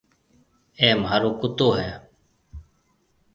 اَي مهارو ڪُتو هيَ۔